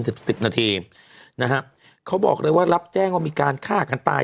สิบสิบนาทีนะฮะเขาบอกเลยว่ารับแจ้งว่ามีการฆ่ากันตาย